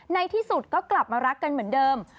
ในที่สุดก็กลับมารักกันเหมือนเดิม